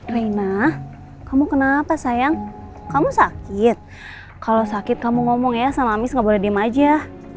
raina kamu kenapa sayang kamu sakit kalau sakit kamu ngomong ya sama amis gak boleh diem aja